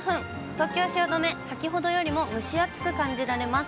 東京・汐留、先ほどよりも蒸し暑く感じられます。